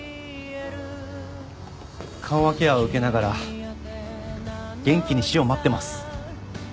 緩和ケアを受けながら元気に死を待ってます。